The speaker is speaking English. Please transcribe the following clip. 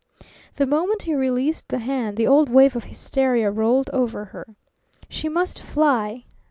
The moment he released the hand the old wave of hysteria rolled over her. She must fly.